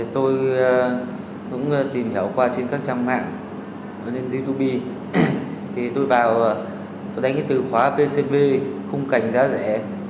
tôi vào tôi đánh cái từ khóa pcb không cảnh giá rẻ